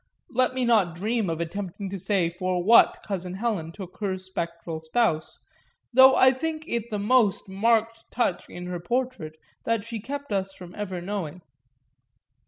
Let me not dream of attempting to say for what cousin Helen took her spectral spouse, though I think it the most marked touch in her portrait that she kept us from ever knowing.